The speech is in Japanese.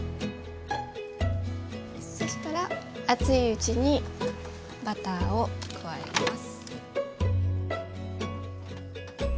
そしたら熱いうちにバターを加えます。